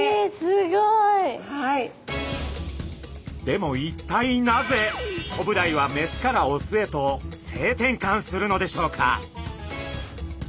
でも一体なぜコブダイはメスからオスへと性転換するのでしょうか？